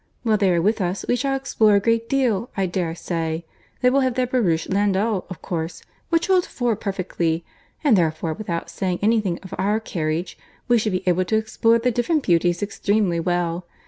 While they are with us, we shall explore a great deal, I dare say. They will have their barouche landau, of course, which holds four perfectly; and therefore, without saying any thing of our carriage, we should be able to explore the different beauties extremely well.